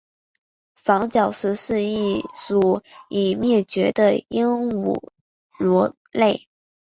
房角石是一属已灭绝的鹦鹉螺类。